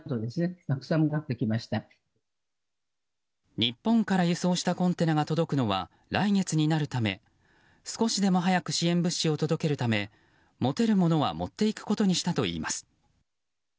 日本から輸送したコンテナが届くのは来月になるため少しでも早く支援物資を届けるため持てるものは持っていくことにしたといいます。